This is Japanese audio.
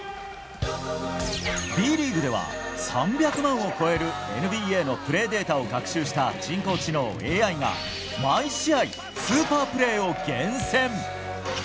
Ｂリーグでは３００万を超えるＮＢＡのプレーデータを学習した人工知能・ＡＩが毎試合、スーパープレーを厳選。